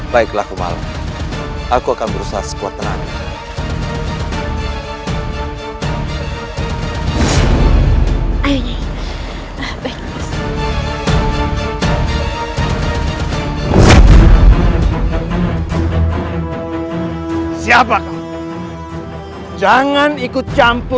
baiklah akan aku kabulkan permintaanmu